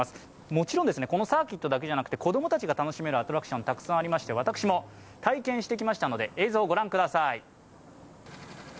もちろん、このサーキットだけじゃなくて、子供たちが楽しめるアトラクション、たくさんありまして私も体験してきましたので映像を御覧ください。